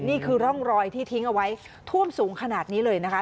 นี่คือร่องรอยที่ทิ้งเอาไว้ท่วมสูงขนาดนี้เลยนะคะ